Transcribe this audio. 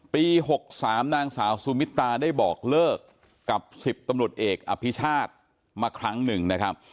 ปี๖๓นางสาวสุมิตาได้บอกเลิกกับ๑๐ตำรวจเอกอภิชาติมาครั้งหนึ่งนะครับ